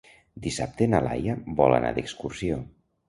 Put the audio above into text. Dissabte na Laia vol anar d'excursió.